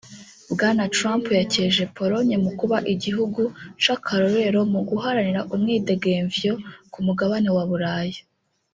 Bwana Trump yakeje Pologne mu kuba igihugu c'akarorero mu guharanira umwidegemvyo ku mugabane wa Buraya